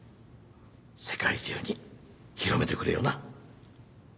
世界中に広めてくれよな。